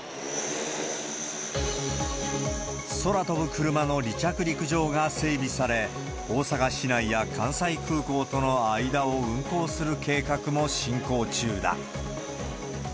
空飛ぶクルマの離着陸場が整備され、大阪市内や関西空港との間を運航する計画も進行中だ。